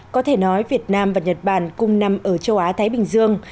có thể nói việt nam và nhật bản cùng nằm ở châu á thái bình dương